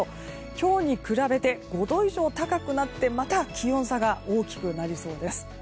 今日に比べて５度以上高くなってまた気温差が大きくなりそうです。